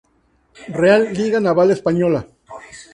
Real Liga Naval Española.